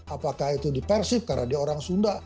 apakah itu di persib karena dia orang sunda